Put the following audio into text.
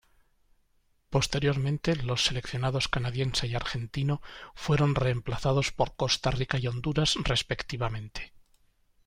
Posteriormente los seleccionados canadiense y argentino fueron reemplazados por Costa Rica y Honduras, respectivamente.